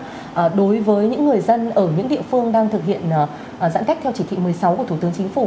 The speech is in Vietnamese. chỉ đạo là đối với những người dân ở những địa phương đang thực hiện giãn cách theo chỉ thị một mươi sáu của thủ tướng chính phủ